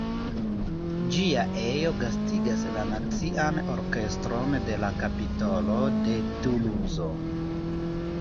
Ĝia ejo gastigas la Nacian orkestron de la Kapitolo de Tuluzo.